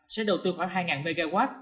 sẽ đầu tư khoảng hai mw